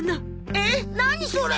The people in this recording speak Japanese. えっ何それ！？